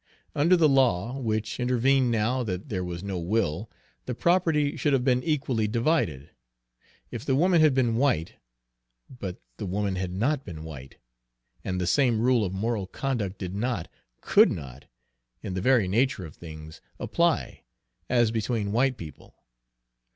Under the law, which intervened now that there was no will, the property should have been equally divided. If the woman had been white, but the woman had not been white, and the same rule of moral conduct did not, could not, in the very nature of things, apply, as between white people!